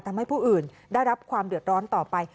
ทำให้ผู้อื่นได้รับความเดือดร้อนต่อไป